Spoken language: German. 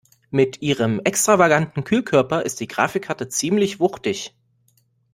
Mit ihrem extravaganten Kühlkörper ist die Grafikkarte ziemlich wuchtig.